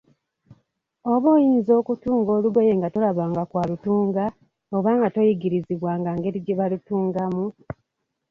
Oba oyinza okutunga olugoye nga tolabanga ku alutunga, oba nga toyigirizibwanga ngeri gye balutungamu?